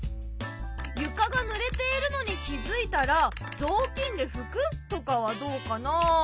「床がぬれているのに気付いたらぞうきんでふく」とかはどうかな？